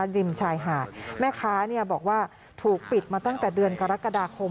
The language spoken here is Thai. ริมชายหาดแม่ค้าบอกว่าถูกปิดมาตั้งแต่เดือนกรกฎาคม